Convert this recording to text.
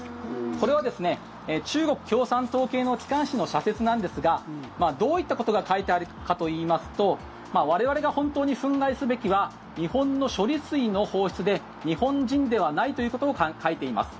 これは中国共産党系の機関紙の社説なんですがどういったことが書いてあるかといいますと我々が本当に憤慨すべきは日本の処理水の放出で日本人ではないということを書いています。